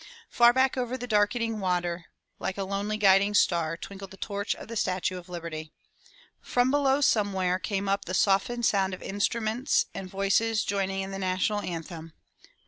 Far back over the darkening water, like a lonely guiding star, twinkled the torch of the Statue of Liberty. From below some 215 MY BOOK HOUSE where came up the softened sound of mstruments and voices joining in the national anthem.